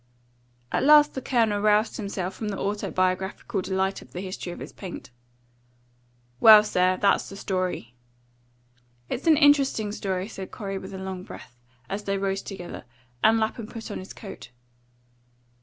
At last the Colonel roused himself from the autobiographical delight of the history of his paint. "Well, sir, that's the story." "It's an interesting story," said Corey, with a long breath, as they rose together, and Lapham put on his coat.